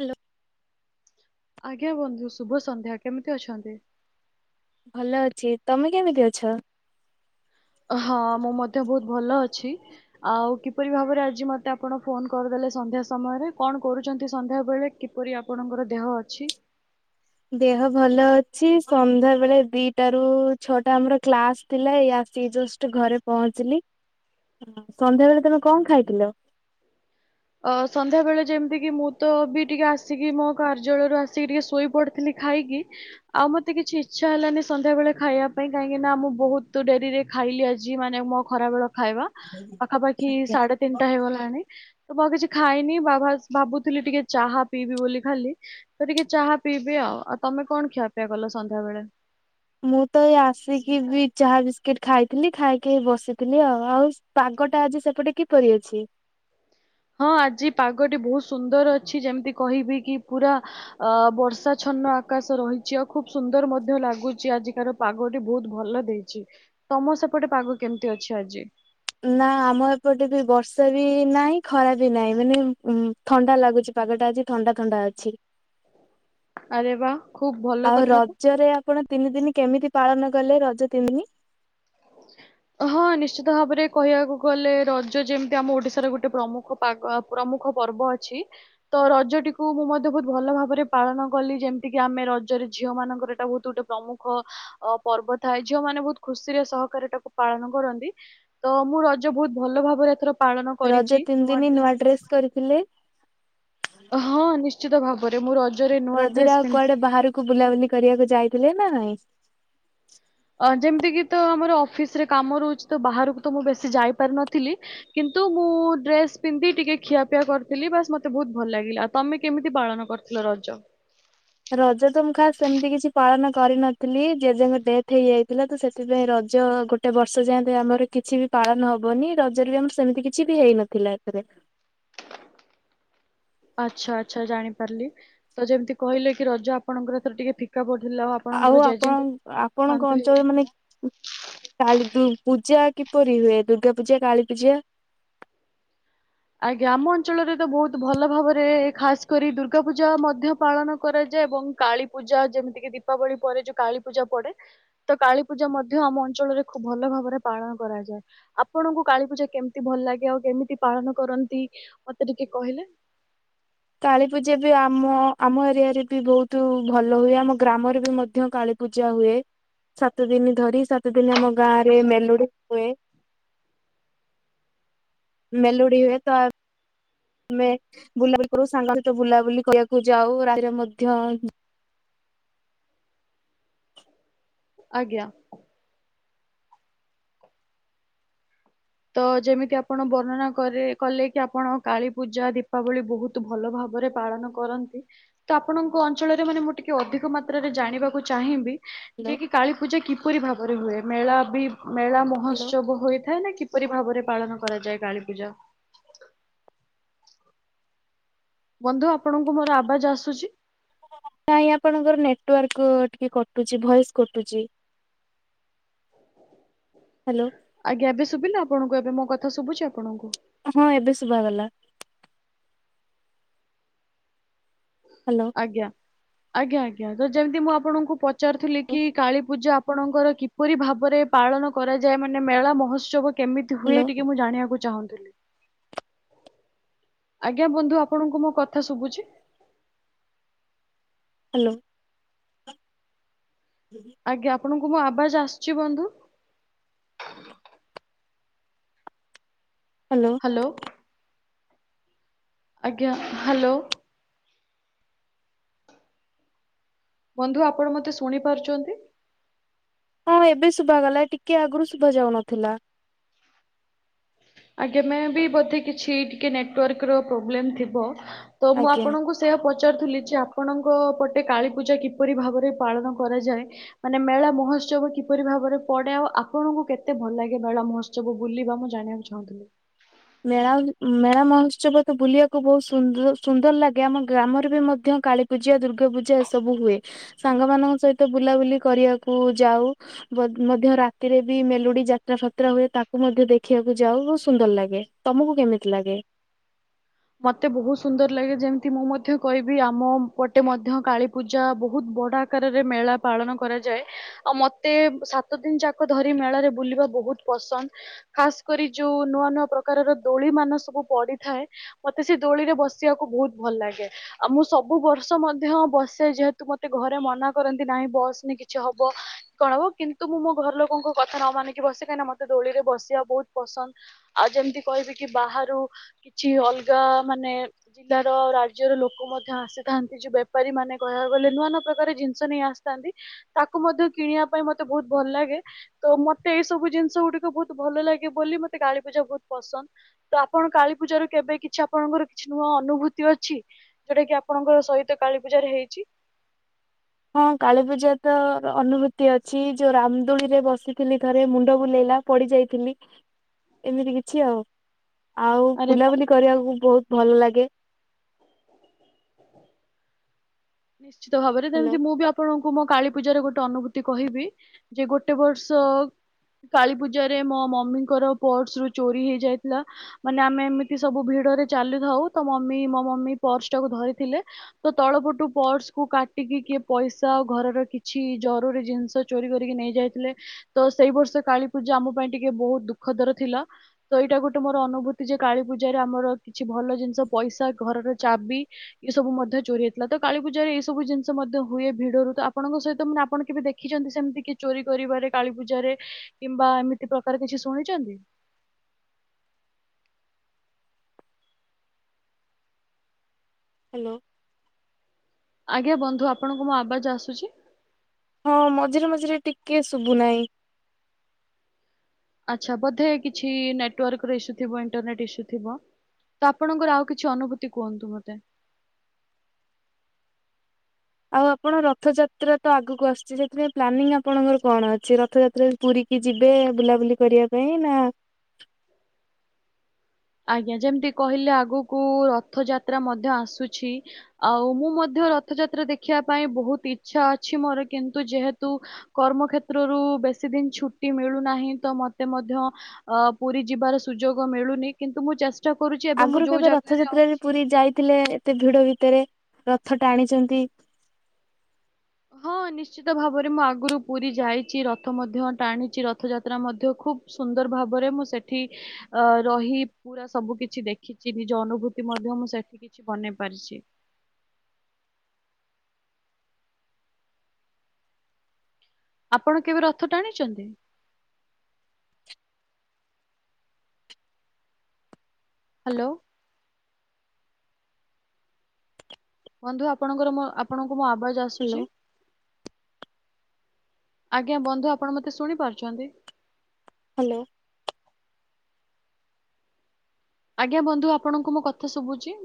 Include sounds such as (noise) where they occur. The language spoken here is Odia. ହାଲୋ। ଆଜ୍ଞା ବନ୍ଧୁ ଶୁଭ ସନ୍ଧ୍ୟା, କେମିତି ଅଛନ୍ତି? ଭଲ ଅଛି। ତମେ କେମିତି ଅଛ? ହଁ ମୁଁ ମଧ୍ୟ ବୋହୁତ ଭଲ ଛି ଆଉ କିପରି ଭାବରେ ଆଜି ମତେ ଆପଣ ଫୋନ୍ କରିଦଲେ ସନ୍ଧ୍ୟା ସମୟରେ କଣ କରୁଚନ୍ତି ସନ୍ଧ୍ୟା ହା ବେଳେ କିପରି ଆପଣଙ୍କର ଦେହ ଅଛି? ଦେହ ଭଲ ଅଛି ସନ୍ଧ୍ୟା ବେଳେ ଦିଟାରୁ ଛଅଟା ଆମର କ୍ଲାସ୍ ଥିଲା। ଏଇ ଆସିକି ଜ ଷ୍ଟ୍ ଘରେ ପହଞ୍ଚିଲି। ହଁ ସନ୍ଧ୍ୟା ବେଳେ ତମେ କଁ ଖାଇଥିଲ? ଅ ସନ୍ଧ୍ୟା ବେଳେ ଯେମତି କି ମୁଁ ତ ବି ଟିକେ ଆସିକି ମୋ କାର୍ଯ୍ୟଳୟରୁ ଆସିକି ଟିକେ ଶୋଇ ପଡ଼ିଥିଲି। ଖାଇକି ଆଉ ମତେ କିଛି ଇଚ୍ଛା ହେଲାନେଇ ସନ୍ଧ୍ୟା ବେଳେ ଖାଇବା ପାଇଁ କାହିଁକି ନାଁ ମୁଁ ବୋହୁତ ଡେରିରେ ଖାଇଲି ଆଜି ମାନେ ମୋ ଖରା ବେଳ ଖାଇବା। ପାଖାପାଖି ସାଢ଼େ ତିନିଟା ହେଇଗଲାଣି। ତ ମୁଁ ଆଉ କିଛି ଖାଇନି ବାଭାସ୍ ଭାବୁଥିଲି ଟିକେ ଚାହା ପିଇବି ବୋଲି ଖାଲି ତ ଟିକେ ଚାହା ପିଇବି। ଏଅ ଆଉ ତମେ କଣ ଖିଆପିଆ କଲ ସନ୍ଧ୍ୟା ବେଳେ? ମୁଁ ତ ଏଇ ଆସିକି ବି ଚାହା ବିସ୍କିଟ୍ ଖାଇଥିଲି ଖାଇକି ହେଇ ବସିଥିଲି ଆଉ ଆଉ ପା ଗଟା ଆଜି ସେପଟେ କିପରି ଅଛି? ହଁ ଆଜି ପାଗଟି ବୋହୁତ ସୁନ୍ଦର ଅଛି ଯେମତି କହିବି କି ପୁରା ଅ ବର୍ଷା ଛ ଅନ୍ନ ଆକାଶ ରହିଚି ଆଉ ଖୁବ ସୁନ୍ଦର ମଧ୍ୟ ଲାଗୁଚି ଆଜିକାର ପାଗଟି ବୋହୁତ୍ ଭଲ ଦେଇଚି। ତମ ସେପଟେ ପାଗ କେମତି ଅଛି ଆଜି? ନାଁ ଆମ ଏପଟେ ବି ବର୍ଷା ବି ନାହିଁ ଖରା ବି ନାହିଁ ମାନେ ଉଁ ଥଣ୍ଡା ଲାଗୁଚି। ପାଗଟା ଆଜି ଥଣ୍ଡା ଥଣ୍ଡା ଅଛି। ଆରେ ବା ଖୁବ ଭଲ ଆଉ କଥା ରଜରେ ଆପଣ ତିନି ଦିନି କେମିତି ପାଳନ କଲେ ରଜ ତିନ୍ ଦିନି? ହଁ ନିଶ୍ଚିତ ଭାବରେ କହିବାକୁ ଗଲେ ରଜ ଯେମତି ଆମ ଓଡ଼ିଶାର ଗୋଟେ ପ୍ରମୁଖ ପାଗ ଆ ପ୍ରମୁ ମୁଖ ପର୍ବ ଅଛି ତ ରଜଟିକୁ ମୁଁ ମଧ୍ୟ ବୋହୁତ ଭଲ ଭାବରେ ପାଳନ କଲି ଯେମତି କିି ଆମେ ରଜ ଚାରି ଝିଅମାନଙ୍କର ଏଟା ଭୋଉତୁ ଗୋଟେ ପ୍ରମୁଖ ଅ ପର୍ବ ଥାଏ ଝିଅମାନେ ବୋହୁତ ଖୁସିରେ ସହକାରେ ଏଟାକୁ ପାଳନ କରନ୍ତି ତ ମୁଁ ରଜ ବୋହୁତ ଭଲ ଭାବରେ ଏଥର ପାଳନ ରଜ କରିଚି ତିନି ନୂଆ ଦିନ ଡ୍ରେସ୍ ମଧ୍ୟ ଡ୍ରେସ କରିଥିଲେ। ହଁ ନିଶ୍ଚିତ ଭାବରେ ମୁଁ ରଜ୍ ରଜରେ ଆଉ କୁଆଡ଼େ ବାହାରୁକୁ ବୁଲାବୁଲି କରିବାକୁ ଯାଇଥିଲେ ନାଇଁ? ଅ ଯେମତି କି ତ ଆମର ଅଫିସ୍ ରେ କାମ ରହୁଚି ତ ବାହାରୁକୁ ତ ମୁଁ ବେଶି ଯାଇପାରି ନଥିଲି କିନ୍ ତୁ ମୁଁ ଡ୍ରେସ୍ ପିନ୍ଧି ଟିକେ ଖିଆପିଆ କରିଥିଲି ବାସ୍ ମୋତେ ବୋହୁତ ଭଲ ଲାଗିଲା। ଆ ତମେ କେମିତି ପାଳନ କର୍ ଲ ରଜ। (inaudible) ରଜ ତ ମୁଁ ଖାସ୍ ଏମତି କିଛି ପାଳନ କରିନଥିଲି ଜେଜେଙ୍କ ଡେଥ୍ ହେଇଯାଇଥିଲା ତ ସେଥିପାଇଁ ର ଜ ଗୋଟେ ବର୍ଷ ଯାଏଁ ତ ଆମର କିଛି ବି ପାଳନ ହବନି ରଜରେ ବି ଆମ ସେମିତି କିଛି ବି ହେଇନଥିଲା ଏଥିରେ। (inaudible) ଆଚ୍ଛା ଆଚ୍ଛା ଜାଣିପାରିଲି ତ ଯେମତି କହିଲେ କି ରଜ ଆପଣଙ୍କର ଏଥର ଟିକେ ଫିକା ପ ଆଉ ଆପଣ ଆପଣଙ୍କ ଅଞ୍ଚଳ ମାନେ ହେଇଯାଇଥିଲା। ଉଁ କାଳୀ ଦୁ ପୂଜା କିପରି ହୁଏ ଦୁର୍ଗା ପୂଜା କାଳୀ ପୂଜା? ଆଜ୍ଞା ଆମ ଅଞ୍ଚଳରେ ତ ବୋହୁତ ଭଲ ଭାବରେ ଖାସ୍ କରି ଦୁର୍ଗା ପୂଜା ମଧ୍ୟ ପାଳନ କରା ଯେ ଏବଂ କାଳୀପୂଜା ଯେମିତି କି ଦୀପାବଳି ପରେ ଯୋଉ କାଳୀପୂଜା ପଡ଼େ ତ କାଳୀପୂଜା ମଧ୍ୟ ଆମ ଅ ଞ୍ଚଳରେ ଖୁବ ଭଲ ଭାବରେ ପାଳନ କରାଯାଏ ଆପଣଙ୍କୁ କାଳୀ ପୂଜା କେମତି ଭଲ ଲାଗେ ଆଉ କେମିତି ପାଳନ କରନ୍ତି ମତେ ଟିକେ କହିଲେ। କାଳୀ ପୂଜା ବି ଆମ ଆମ ଏରିଆରେ ବି ବୋହୁତୁ ଭଲ ହୁଏ ଆମ ଗ୍ରାମରେ ବି ମଧ୍ୟ କାଳୀ ପୂଜା ହୁଏ ସାତ ଦିନି ଧରି ସାତ ଦିନି ଆମ ଗାଁରେ ମେଲୋଡି଼ ହୁଏ। ମେଲୋଡି଼ ହୁଏ ତ ମେ ବୁଲାବୁଲି କରୁ ସାଙ୍ଗ ସହିତ ବୁଲାବୁଲି କରିବାକୁ ଯାଉ ରାତିରେ ମଧ୍ୟ (inaudible) ଆଜ୍ଞା। ତ ଯେମିତି ଆପଣ ବର୍ଣ୍ଣନା କରି କଲେ କି ଆପଣ କାଳୀପୂଜା ଦୀପାବଳି ବୋହୁତ ଭଲ ଭା ବରେ ପାଳନ କରନ୍ତି ତ ଆପଣଙ୍କ ଅଞ୍ଚଳରେ ମାନେ ମୁଁ ଟିକେ ଅଧିକ ମାତ୍ରାରେ ଜାଣିବାକୁ ଚାହିଁବି ଯେ କି କାଳୀ ପୂଜା କିପରି ଭାବରେ ହୁଏ ମେଳା ବି ମେଳା ହ୍ୟାଲୋ ମହୋତ୍ସବ ହୋଇଥାଏ ନାଁ କି କିପରି ଭାବରେ ପାଳନ କରାଯାଏ କାଳୀ ପୂଜା? ବନ୍ଧୁ ଆପଣଙ୍କୁ ମୋର ଆବାଜ ଆସୁଛି? ନାଇଁ ଆପଣଙ୍କର ନେଟୱାର୍କ ଟିକେ କଟୁଛି ଭଏସ୍ କଟୁଛି। ହ୍ୟାଲୋ। ଆଜ୍ଞା ଏବେ ଶୁଭିଲା ଆପଣଙ୍କୁ ଏବେ ମୋ କଥା ଶୁଭୁଛି ଆପଣଙ୍କୁ? ହଁ ଏବେ ଶୁଭା ଗଲା। ହ୍ୟାଲୋ ଆଜ୍ଞା ଆଜ୍ଞା ଆଜ୍ଞା ଯେମିତି ମୁଁ ଆପଣଙ୍କୁ ପଚାରୁଥିଲି କି କାଳୀ ପୂଜା ଆପଣଙ୍କର କିପରି ଭାବରେ ପାଳନ କରାଯାଏ ମାନେ ମେଳା ମହୋତ୍ସବ କେମିତି ହୁଏ। ହ୍ୟାଲୋ ଟିକେ ମୁଁ ଜାଣିବାକୁ ଚାହୁଥିଲି। ଆଜ୍ଞା ବନ୍ଧୁ ଆପଣଙ୍କୁ ମୋ କଥା ଶୁଭୁଛି? ହ୍ୟାଲୋ। ଆଜ୍ଞା ଆପଣଙ୍କୁ ମୁଁ ଆବାଜ ଆସୁଛି ବନ୍ଧୁ? Hello hello. ଆଜ୍ଞା ହାଲୋ। ବନ୍ଧୁ ଆପଣ ମତେ ଶୁଣି ପାରୁଛନ୍ତି? ହଁ ଏବେ ଶୁଭା ଗଲା ଟିକେ ଆଗରୁ ଶୁଭା ଯାଉନଥିଲା। ଆଜ୍ଞା ମେ ବି ବୋଧେ କିଛି ଟିକେ ନେଟୱାର୍କର ପ୍ରୋବ୍ଲେମ୍ ଥିବ। ତ ମୁଁ ଆଜ୍ଞା ଆପଣଙ୍କୁ ସେଆ ପଚାରୁଥିଲି ଯେ ଆପଣଙ୍କୁ କ ପଟେ କାଳୀ ପୂଜା କିପରି ଭାବରେ ପାଳନ କରାଯାଏ ମାନେ ମେଳା ମହୋତ୍ସବ କିପରି ଭାବରେ ପଡେ ଆଉ ଆପଣଙ୍କୁ କେତେ ଭଲ ଲାଗେ ମେଳ ମହୋତ୍ସବ ବୁଲିବା ମୁଁ ଜାଣିବାକୁ ଚାହୁଁଥିଲି। ମେଳା ମେଳା ମହୋତ୍ସବ ତ ବୁଲିବାକୁ ବହୁତ ସୁନ୍ଦର ସୁନ୍ଦର ଲାଗେ ଆମ ଗ୍ରାମରେ ବି ମଧ୍ୟ କାଳୀ ପୂଜା ଦୁର୍ଗା ପୂଜା ଏସବୁ ହୁଏ ସାଙ୍ଗ ମାନଙ୍କ ସହିତ ବୁଲାବୁଲି କରିବାକୁ ଯାଉ। ବୋ ମଧ୍ୟ ରାତିରେ ବି ମେଲୁଡି ଯାତ୍ରା ଫାତ୍ରା ହୁଏ ତାକୁ ମଧ୍ୟ ଦେଖିବାକୁ ଯାଉ ସୁନ୍ଦର ଲାଗେ। ତମକୁ କେମିତି ଲାଗେ? ମତେ ବହୁତୁ ସୁନ୍ଦର ଲାଗେ ଯେମିତି ମୁଁ ମଧ୍ୟ କହିବି ଆମ ପଟେ ମଧ୍ୟ କାଳୀ ପୂଜା ବହୁତୁ ବଡ ଆକାରରେ ମେଳା ପାଳନ କରାଯାଏ। ଆଉ ମତେ ସାତ ଦିନ ଯାକ ଧରି ମେଳରେ ବୁଲିବା ବହୁତୁ ପସନ୍ଦ ଖାସ କରି ଯୋଉ ନୂଆ ନୂଆ ପ୍ରକାରର ଦୋଳି ମାନ ସବୁ ପଡିଥାଏ ମତେ ସେ ଦୋଳିରେ ବସିବାକୁ ବହୁତ ଭଲ ଲାଗେ। ଆଉ ମୁଁ ସବୁ ବର୍ଷ ମଧ୍ୟ ବସେ ଯେହେତୁ ମତେ ଘ ଘରେ ମନା କରନ୍ତି ନାହିଁ ବସନି କିଛି ହବ କଣ ହବ କିନ୍ତୁ ମୁଁ ମୋ ଘର ଲୋକଙ୍କ କଥା ନ ମାନିକି ବସେ। କାହିଁନା ମତେ ଦୋଳିରେ ବସିବା ବହୁତ ପସନ୍ଦ ଆଉ ଯେମିତି କହିବି କି ବାହାରୁ କିଛି ଅଲଗା ଯା ମାନେ ଜିଲ୍ଲାର ରାଜ୍ୟର ଲୋକ ମଧ୍ୟ ଆସିଥାନ୍ତି ଯୋଉ ବେପାରୀ ମାନେ କହିବାକୁ ଗଲେ ନୂଆ ନୂଆ ପ୍ରକାର ଜିନିଷ ନେଇ ଆସିଥାନ୍ତି ତାକୁ ମଧ୍ୟ କିଣିବା ପାଇଁ ମତେ ବହୁତ ଭଲ ଲାଗେ ତ ମତେ ଏଇ ସବୁ ଜିନିଷ ଗୁଡିକ ବହୁତ ଭଲ ଲାଗେ ବୋଲି ମୋତେ କାଳୀପୂଜା ବହୁତ ପସନ୍ଦ ତ ଆପଣ କାଳିପୂଜା ରେ କେବେ କିଛି ଆପଣଙ୍କର କିଛି ନୂଆ ଅନୁଭୂତି ଅଛି ଯୋଉଟା କି ଆପଣଙ୍କ ସହିତ କାଳୀ ପୂଜାରେ ହେଇଛି। (inaudible) ହଁ କାଳୀ ପୂଜା ତ ଅନୁଭୂତି ଅଛି ଯୋଉ ରାମଦୋଳି ରେ ବସିଥିଲି ଥରେ ମୁଣ୍ଡ ବୁଲେଇଲା ପଡି ଯାଇଥିଲି ଏମିତି କିଛି ଆଉ। ଆଉ ଆରେ ବୁଲାବୁଲି ବାପରେ କରିବାକୁ ବହୁତ ଭଲ ଲାଗେ। ନିଶ୍ଚିତ ଭାବରେ ହ୍ୟାଲୋ ଯେମିତି ମୁଁ ବି ଆପଣ କୁ ମୋ କାଳୀ ପୂଜାରେ ଗୋଟେ ଅନୁଭୂତି କହିବି ଯେ ଗୋଟେ ବର୍ଷ କାଳୀ ପୂଜରେ ମୋ ମମିଙ୍କର ପର୍ସ ରୁ ଚୋରି ହେଇଯାଇଥିଲା ମାନେ ଆମେ ଏମିତି ସବୁ ଭିଡ ରେ ଚାଲୁଥାଉ ତ ମମି ମୋ ମମି ପର୍ସ ଟାକୁ ଧରିଥିଲେ ତ ତଳ ପଟୁ ପର୍ସକୁୁ କାଟିକି କିଏ ପଇସା ଆଉ ଘରର କିଛି ଜରୁରୀ ଜିନିଷ ଚୋରି କରିକି ନେଇ ଯାଇଥିଲେ ତ ସେଇ ବର୍ଷ କାଳୀ ପୂଜା ଆମ ପାଇଁ ଟିକେ ବହୁତ ଦୁଃଖ ଦର ଥି ଥିଲା ତ ଏଇଟା ଗୋଟେ ମୋର ଅନୁଭୂତି ଯେ କାଳୀ ପୂଜାରେ ଆମର କିଛି ଭଲ ଜିନିଷ ପଇସା ଘରର ଚାବି ଏ ସବୁ ମଧ୍ୟ ଚୋରି ହେଇଥିଲା ତ କାଳୀ ପୂଜାରେ ଏଇ ସବୁ ଜିନିଷ ମଧ୍ୟ ହୁଏ ଭିଡରୁତ ଆପଣଙ୍କ ସହିତ ମାନେ ଆପଣ କେବେ ଦେଖିଛନ୍ତି ସେମିତି କି ଚୋରି କରିବାରେ କାଳୀ ପୂଜାରେ କିମ୍ବା ଏମିତି ପ୍ରକାର କିଛି ଶୁଣିଛନ୍ତି? (inaudible) ହ୍ୟାଲୋ। ଆଜ୍ଞା ବନ୍ଧୁ ଆପଣଙ୍କୁ ମୋ ଆବାଜ ଆସୁଛି? ହଁ ମଝିରେ ମଝିରେ ଟିକେ ଶୁଭୁ ନାହିଁ। ଆଚ୍ଛା ବୋଧେ କିଛି ନେଟୱାର୍କ ର ଇଶୁ ଥିବ ଇଣ୍ଟରନେଟ୍ ଇଶୁ ଥିବ। ତ ଆପଣଙ୍କର ଆଉ କିଛି ଅନୁଭୂତି କୁହନ୍ତୁ ମତେ। (inaudible) ଆଉ ଆପଣ ରଥଯାତ୍ରା ତ ଆଗକୁ ଆସୁଛି ସେଥିପାଇଁ ପ୍ଲାନିଂ ଆପଣଙ୍କର କଣ ଅଛି ରଥଯାତ୍ରାରେ ପୁରୀ କି ଯିବେ ବୁଲାବୁଲି କରିବା ପାଇଁ ନା? ଆଜ୍ଞା ଯେମିତି କହିଲେ ଆଗକୁ ରଥଯାତ୍ରା ମଧ୍ୟ ଆସୁଛି ଆଉ ମୁଁ ମଧ୍ୟ ରଥଯାତ୍ରା ଦେଖିବା ପାଇଁ ବହୁତ ଇଛା ଅଛି ମୋର କିନ୍ତୁ ଯେହେତୁ କର୍ମ କ୍ଷେତ୍ରରୁ ବେଶୀ ଦିନ ଛୁଟି ମିଳୁନାହିଁ ତ ମତେ ମଧ୍ୟ ଅ ପୁରୀ ଯିବାର ସୁଯୋଗ ମିଳୁନି। କିନ୍ତୁ ମୁଁ ଚେ ଆଗରୁ କେବେ ରଥଯାତ୍ରାରେ ପୁରୀ ଯାଇଥିଲେ ଏତେ ଭିଡ ଏ ତେରେ ରଥ ଟାଣିଛନ୍ତି। ହଁ ନିଶ୍ଚିତ ଭାବରେ ମୁଁ ଆଗରୁ ପୁରୀ ଯାଇଛି ରଥ ମଧ୍ୟ ଟାଣିଛି ରଥଯାତ୍ରା ମଧ୍ୟ ଖୁବ ସୁନ୍ଦର ଭାବରେ ମୁଁ ସେଠି ଅ ରହି ପୁରା ସବୁ କିଛି ଦେଖିଛି ନିଜ ଅନୁଭୂତି ମଧ୍ୟ ମୁଁ ସେଠି କିଛି ବନେଇ ପାରିଛି। (inaudible) ଆପଣ କେବେ ରଥ ଟାଣିଛନ୍ତି? ହାଲୋ। ବନ୍ଧୁ ଆପଣଙ୍କର ମୋ ଆପଣଙ୍କୁ ମୋ ଆବାଜ ଆସୁଛି? ହ୍ୟାଲୋ। ଆଜ୍ଞା ବନ୍ଧୁ ଆପଣ ମତେ ଶୁଣି ପାରୁଛନ୍ତି? ହାଲୋ। ଆଜ୍ଞା ବନ୍ଧୁ ଆପଣଙ୍କୁ ମୋ କଥା ଶୁଭୁଛି?